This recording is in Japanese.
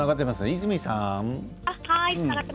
和泉さん。